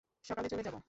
সকালে চলে যাব।